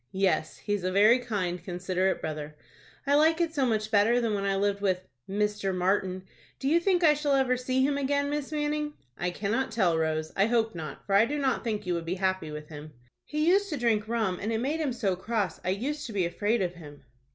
"Yes, he is a very kind, considerate brother." "I like it so much better than when I lived with—Mr. Martin. Do you think I shall ever see him again, Miss Manning?" "I cannot tell, Rose. I hope not; for I do not think you would be happy with him." "He used to drink rum, and it made him so cross I used to be afraid of him."